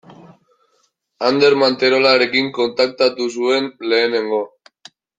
Ander Manterolarekin kontaktatu zuen lehenengo.